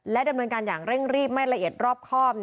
ดำเนินการอย่างเร่งรีบไม่ละเอียดรอบครอบ